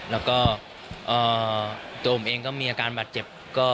แล้วก็ตัวผมเองก็มีอาการบาดเจ็บ